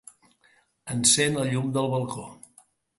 Encén el llum del balcó.